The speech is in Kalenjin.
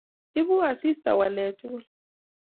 Ibu asista waleet tugul